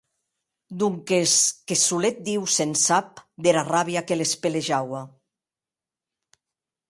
Donques que solet Diu se’n sap dera ràbia que les pelejaua.